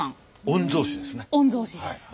御曹司ですね。